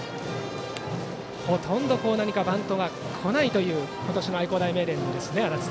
ほとんどバントがこないという今年の愛工大名電。